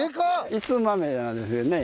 一寸豆なんですよね。